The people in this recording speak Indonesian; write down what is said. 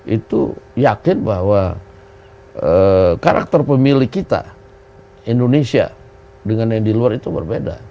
itu yakin bahwa karakter pemilih kita indonesia dengan yang di luar itu berbeda